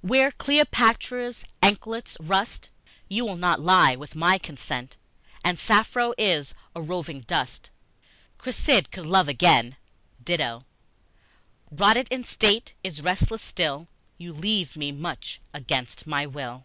Where Cleopatra's anklets rust You will not lie with my consent; And Sappho is a roving dust; Cressid could love again; Dido, Rotted in state, is restless still; You leave me much against my will.